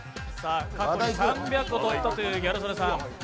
過去に３００個取ったというギャル曽根さん。